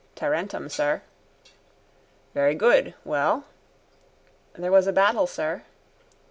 —Tarentum, sir. —Very good. Well? —There was a battle, sir.